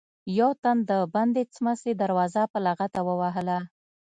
يو تن د بندې سمڅې دروازه په لغته ووهله.